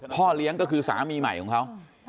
พ่อเลี้ยงก็คือสามีใหม่ของเขา